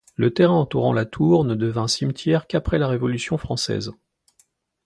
Le terrain entourant la tour ne devint cimetière qu'après la Révolution française.